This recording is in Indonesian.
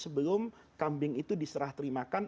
sebelum kambing itu diserah terima kasihnya